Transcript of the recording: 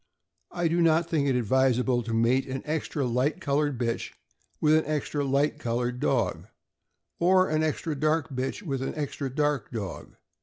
I do not think it advisable to mate an extra light colored bitch with an extra light colored dog, or an extra dark bitch with an extra dark dog.